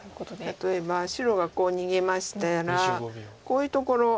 例えば白がこう逃げましたらこういうところ。